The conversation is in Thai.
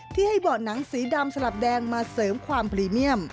ที่ให้เบาะหนังสีดำสลับแดงมาเสริมความพรีเมียม